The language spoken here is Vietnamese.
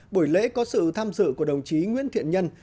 buổi lễ có sự tham dự của đồng chí nguyễn thiện nhân